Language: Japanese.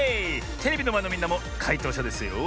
テレビのまえのみんなもかいとうしゃですよ。